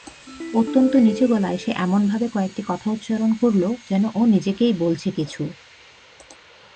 অত্যন্ত নিচুগলায় সে এমনভাবে কয়েকটি কথা উচ্চারণ করল, যেন ও নিজেকেই বলছে কিছু।